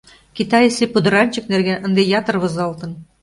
Китайысе пудыранчык нерген ынде ятыр возалтын.